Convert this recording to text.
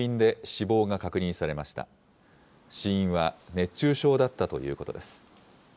死因は熱中症だったということです。